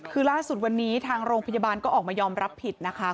คือล่าสุดวันนี้ทางโรงพยาบาลก็ออกมายอมรับผิดนะคะ